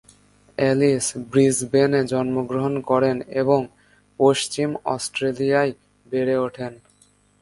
Alice ব্রিসবেনে জন্মগ্রহণ করেন এবং পশ্চিম অস্ট্রেলিয়ায় বেড়ে ওঠেন।